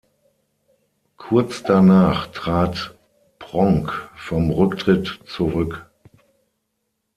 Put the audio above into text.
Kurz danach trat Pronk vom Rücktritt zurück.